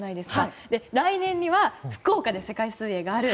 来年には福岡で世界水泳がある。